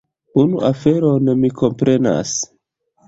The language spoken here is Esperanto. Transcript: Unu aferon mi komprenas.